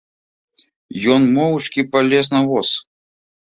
Ён моўчкі палез на воз.